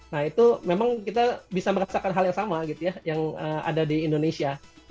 nah itu memang kita bisa merasakan hal yang sama gitu ya yang ada di indonesia